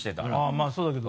まぁそうだけど。